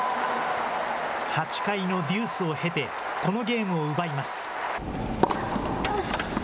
８回のデュースを経て、このゲームを奪います。